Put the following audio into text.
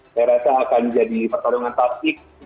saya rasa akan jadi pertarungan taktik